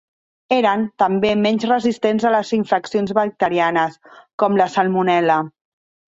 Eren, també, menys resistents a les infeccions bacterianes, com la Salmonel·la.